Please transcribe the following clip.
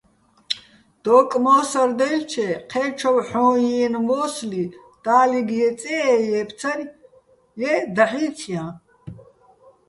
დოკმო́სადაჲლჩე, ჴე́ჩოვ ჰოჼ ჲიენო̆ მო́სლი დალეგ ჲეწეე ჲეფცანი̆, ჲე დაჰ̦ ჲიცჲაჼ.